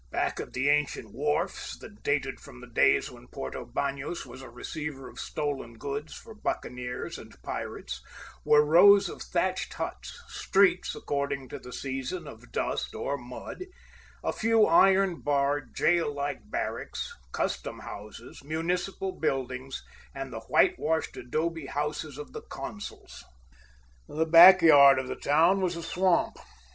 Back of the ancient wharfs, that dated from the days when Porto Banos was a receiver of stolen goods for buccaneers and pirates, were rows of thatched huts, streets, according to the season, of dust or mud, a few iron barred, jail like barracks, customhouses, municipal buildings, and the whitewashed adobe houses of the consuls. The backyard of the town was a swamp.